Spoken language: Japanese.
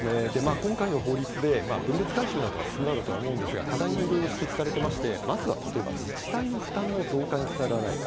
今回の法律で、分別回収などは進むと思うんですが、課題もいろいろ指摘されてまして、まずは自治体の負担の増加につながらないか。